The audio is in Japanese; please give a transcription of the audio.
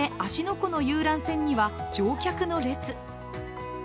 湖の遊覧船には、乗客の列。